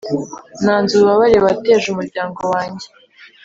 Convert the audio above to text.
nanze ububabare wateje umuryango wanjye!